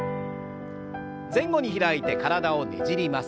前後に開いて体をねじります。